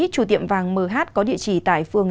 chủ tiệm vàng mh có địa chỉ tại phường